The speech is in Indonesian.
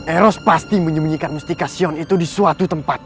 eros pasti menyembunyikan mustika sion itu di suatu tempat